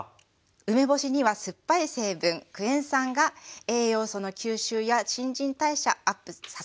梅干しには酸っぱい成分クエン酸が栄養素の吸収や新陳代謝アップさせます。